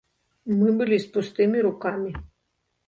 Мы былі з пустымі рукамі.